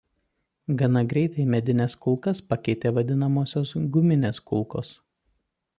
Gana greitai medines kulkas pakeitė vadinamosios "guminės kulkos".